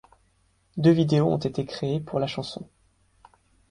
Deux vidéos ont été créées pour la chanson.